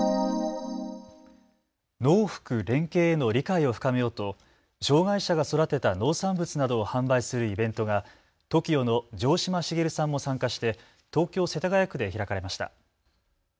農福連携への理解を深めようと障害者が育てた農産物などを販売するイベントがＴＯＫＩＯの城島茂さんも参加して東京世田谷区で開かれました。